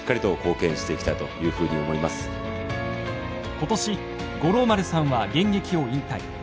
今年五郎丸さんは現役を引退。